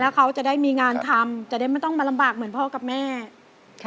เขาจะได้มีงานทำจะได้ไม่ต้องมาลำบากเหมือนพ่อกับแม่ค่ะ